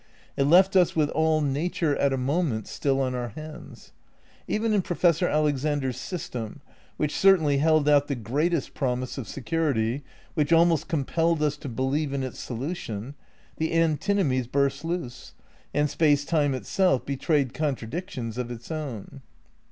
It left us with all nature at a moment still on our hands. Even in Professor Alexander's sys tem, which certainly held out the greatest promise of security, which almost compelled us to believe in its solution, the antinomies burst loose, and Space Time itself betrayed contradictions of its own.